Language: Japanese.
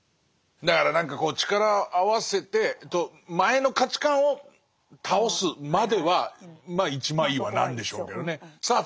だから何か力を合わせて前の価値観を倒すまでは一枚岩なんでしょうけどねさあ